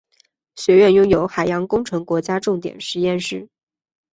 学院拥有海洋工程国家重点实验室。